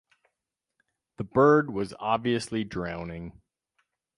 The bird was obviously drowning.